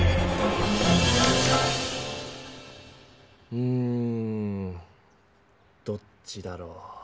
うんどっちだろう。